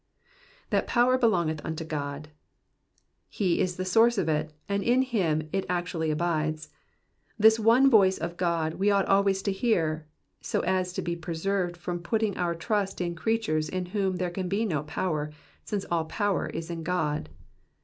^^That power helongeth unto God."*^ He is the source of it, and in him it actually abides. This one voice of God we ought always to hear, so as to be preserved from putting our trust in creatures in whom there can be no power, since all power is in God.